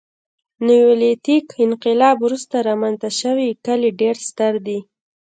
نیولیتیک انقلاب وروسته رامنځته شوي کلي ډېر ستر دي.